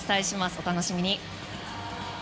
お楽しみに。